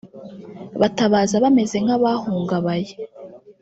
batabaza bameze nk’abahungabaye